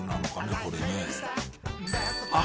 これねあ